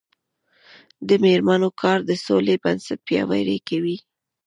د میرمنو کار د سولې بنسټ پیاوړی کوي.